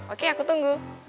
oke aku tunggu